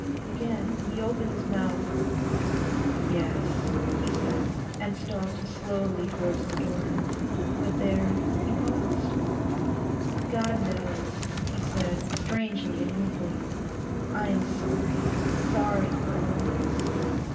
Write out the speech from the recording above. Again he opened his mouth. 'Yes,' he said, and stalked slowly towards the door. But there he paused. 'God knows,' he said, strangely and meekly, 'I am sorry, sorry for all this.